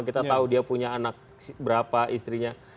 kita tahu dia punya anak berapa istrinya